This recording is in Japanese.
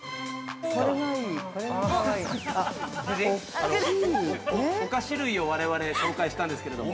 夫人、お菓子類を我々、紹介したんですけれども。